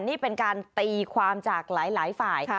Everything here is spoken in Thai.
นี่เป็นการตีความจากหลายฝ่าย